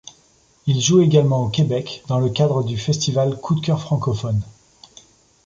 Ils jouent également au Québec dans le cadre du festival Coup de cœur francophone.